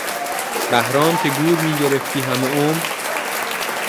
بهرام که گور میگرفتی همه عمر...